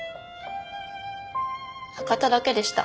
赤田だけでした。